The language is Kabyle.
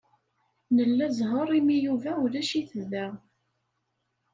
Nla zzheṛ imi Yuba ulac-it da.